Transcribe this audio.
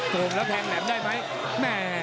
เกิงแล้วแทงแหลมได้ไหม